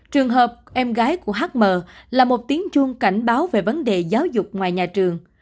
trường hợp em gái của hm là một tiếng chuông cảnh báo về vấn đề giáo dục ngoài nhà trường